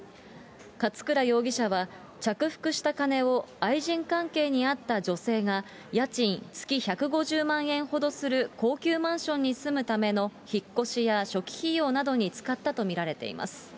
勝倉容疑者は、着服した金を愛人関係にあった女性が、家賃月１５０万円程する高級マンションに住むための引っ越しや初期費用などに使ったと見られています。